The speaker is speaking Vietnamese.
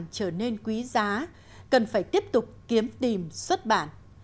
trở nên quý giá cần phải tiếp tục kiếm tìm xuất bản